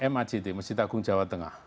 mact masjid agung jawa tengah